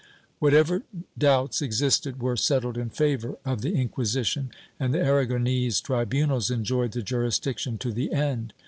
Whatever doubts existed were settled in favor of the Inquisition, and the Aragonese tribunals enjoyed the jurisdiction to the end.